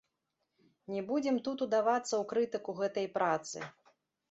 Не будзем тут удавацца ў крытыку гэтай працы.